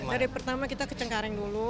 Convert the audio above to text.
dari pertama kita ke cengkareng dulu